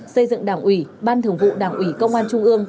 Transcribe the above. xây dựng đảng ủy ban thường vụ đảng ủy công an trung ương